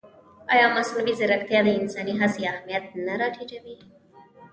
ایا مصنوعي ځیرکتیا د انساني هڅې اهمیت نه راټیټوي؟